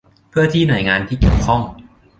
เพื่อที่หน่วยงานที่เกี่ยวข้อง